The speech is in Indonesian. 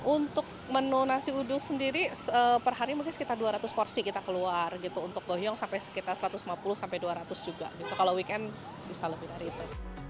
untuk menu nasi uduk sendiri per hari mungkin sekitar dua ratus porsi kita keluar gitu untuk doyong sampai sekitar satu ratus lima puluh sampai dua ratus juga gitu kalau weekend bisa lebih dari itu